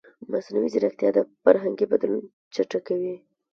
مصنوعي ځیرکتیا د فرهنګي بدلون چټکوي.